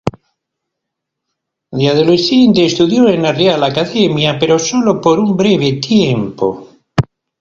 De adolescente, estudió en la Real Academia, pero sólo por un breve tiempo.